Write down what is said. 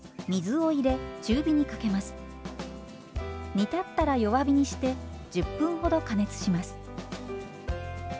煮立ったら弱火にして１０分ほど加熱します。